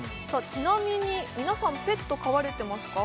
ちなみに皆さんペット飼われてますか？